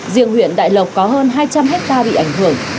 riêng huyện đại lộc có hơn hai trăm linh hectare bị ảnh hưởng